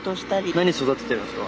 何育ててるんですか？